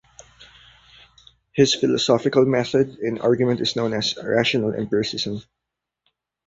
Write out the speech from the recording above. His philosophical method in argument is known as rational empiricism.